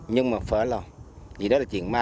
nhưng mà phải ở lò vì đó là chuyện ma rủi